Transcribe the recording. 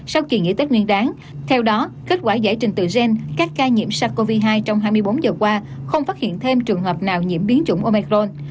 sau kỳ nghỉ tết nguyên đáng theo đó kết quả giải trình tự gen các ca nhiễm sars cov hai trong hai mươi bốn giờ qua không phát hiện thêm trường hợp nào nhiễm biến chủng omercron